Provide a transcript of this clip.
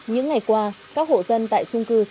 những ngày qua các hộ dân tại trung quốc